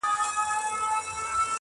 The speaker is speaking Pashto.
o د برزخي ماحول واټن ته فکر وړی يمه